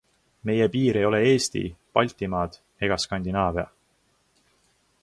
Meie piir ei ole Eesti, Baltimaad ega Skandinaavia.